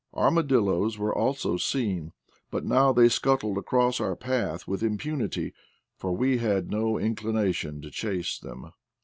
Armadilloes were also seen, but now they scuttled across our path with impunity, for we had no inclination to chase them.